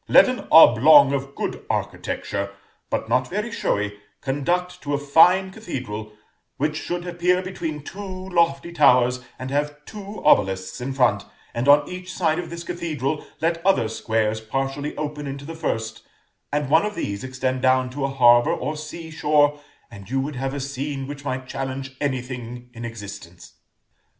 Let an oblong of good architecture, but not very showy, conduct to a fine cathedral, which should appear between two lofty towers and have two obelisks in front, and on each side of this cathedral let other squares partially open into the first, and one of these extend down to a harbor or sea shore, and you would have a scene which might challenge any thing in existence."